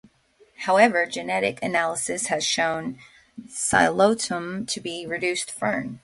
However, genetic analysis has shown "Psilotum" to be a reduced fern.